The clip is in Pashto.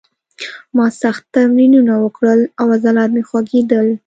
ما سخت تمرینونه وکړل او عضلات مې خوږېدل